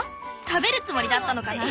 食べるつもりだったのかな？